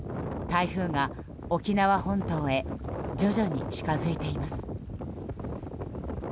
台風が沖縄本島へ徐々に近づいています。